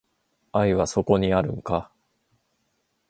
愛はそこにあるんか